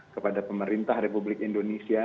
kepada pemerintah republik indonesia